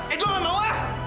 edo gak mau ah